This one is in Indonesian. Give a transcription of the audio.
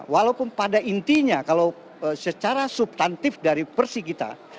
walaupun pada intinya kalau secara subtantif dari versi kita